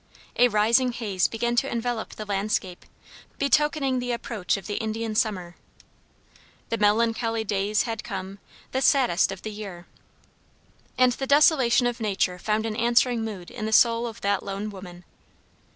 A rising haze began to envelope the landscape, betokening the approach of the Indian summer, "The melancholy days had come, The saddest of the year," and the desolation of nature found an answering mood in the soul of that lone woman.